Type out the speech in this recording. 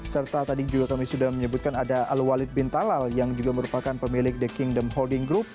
serta tadi juga kami sudah menyebutkan ada al walid bin talal yang juga merupakan pemilik the kingdom holding group